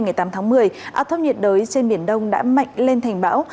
ngày tám tháng một mươi áp thấp nhiệt đới trên biển đông đã mạnh lên thành bão